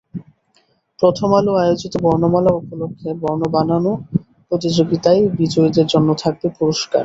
প্রথম আলো আয়োজিত বর্ণমেলা উপলক্ষে বর্ণ বানানো প্রতিযোগিতায় বিজয়ীদের জন্য থাকবে পুরস্কার।